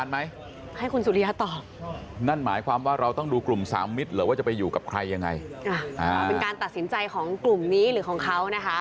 เป็นการตัดสินใจของกลุ่มนี้หรือของเขานะคะ